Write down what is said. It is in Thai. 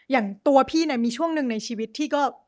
อย่างตัวพี่เนี่ยมีช่วงหนึ่งในชีวิตที่ก็